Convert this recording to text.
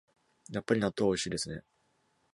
やっぱり納豆はおいしいですね